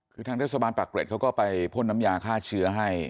คือทางเทศบาลปากเกร็ดเขาก็ไปพ่นน้ำยาฆ่าเชื้อให้